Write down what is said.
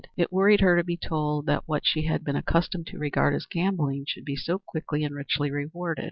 It worried her to be told that what she had been accustomed to regard as gambling should be so quickly and richly rewarded.